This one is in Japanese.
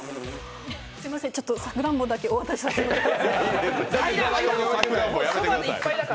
すみません、さくらんぼだけお渡しさせていただいていいですか？